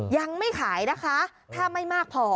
ยังไม่ขายนะคะถ้าไม่มากพอ